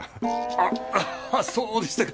あっそうでしたか。